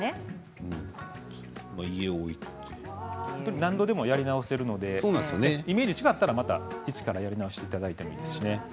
何度もやり直せるのでイメージが違ったら一からやり直していただけてもいいですよ。